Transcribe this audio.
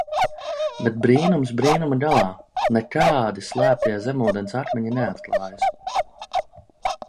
Bet brīnums brīnuma galā, nekādi slēptie zemūdens akmeņi neatklājas.